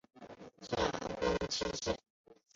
下分七县。